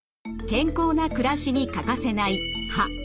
健康な暮らしに欠かせない歯。